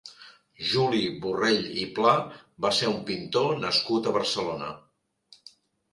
Juli Borrell i Pla va ser un pintor nascut a Barcelona.